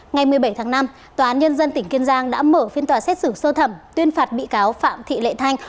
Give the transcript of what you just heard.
ngày một mươi bảy tháng năm tòa án nhân dân tỉnh kiên giang đã mở phiên tòa xét xử sơ thẩm tuyên phạt bị cáo phạm thị lệ thanh